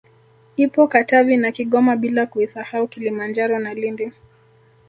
Ipo Katavi na Kigoma bila kuisahau Kilimanjaro na Lindi